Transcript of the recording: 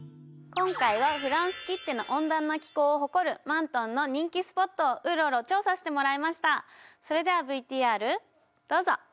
今回はフランスきっての温暖な気候を誇るマントンの人気スポットをウロウロ調査してもらいましたそれではＶＴＲどうぞ！